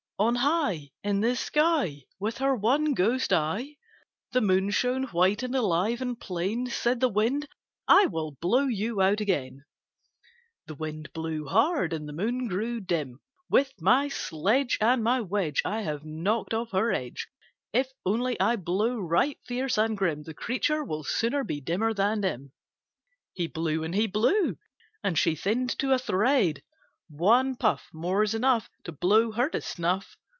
On high In the sky With her one ghost eye, The Moon shone white and alive and plain. Said the Wind "I will blow you out again." The Wind blew hard, and the Moon grew dim. "With my sledge And my wedge I have knocked off her edge! If only I blow right fierce and grim, The creature will soon be dimmer than dim." He blew and he blew, and she thinned to a thread. "One puff More's enough To blow her to snuff!